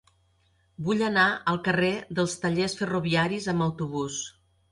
Vull anar al carrer dels Tallers Ferroviaris amb autobús.